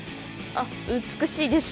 あっ美しいです。